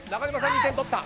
２点取った。